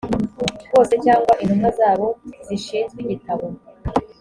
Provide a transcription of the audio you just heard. bose cyangwa intumwa zabo zishinzwe igitabo